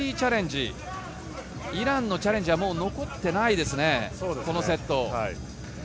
イランのチャレンジはもう残っていないですね、このセット。